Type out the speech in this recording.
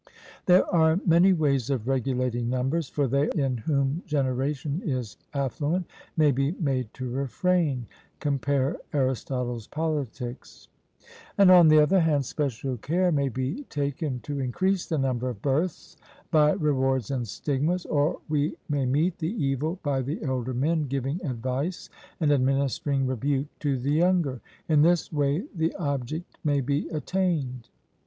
There are many ways of regulating numbers; for they in whom generation is affluent may be made to refrain (compare Arist. Pol.), and, on the other hand, special care may be taken to increase the number of births by rewards and stigmas, or we may meet the evil by the elder men giving advice and administering rebuke to the younger in this way the object may be attained.